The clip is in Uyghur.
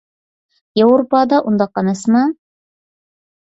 ياۋروپادا ئۇنداق ئەمەسما؟